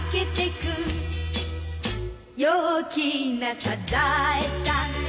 「陽気なサザエさん」